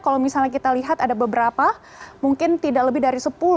kalau misalnya kita lihat ada beberapa mungkin tidak lebih dari sepuluh